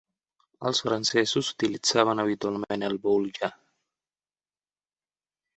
Els francesos utilitzaven habitualment el voulge.